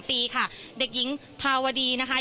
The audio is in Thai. พูดสิทธิ์ข่าวธรรมดาทีวีรายงานสดจากโรงพยาบาลพระนครศรีอยุธยาครับ